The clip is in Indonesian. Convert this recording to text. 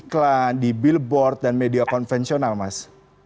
iklan di billboard dan media konvensional mas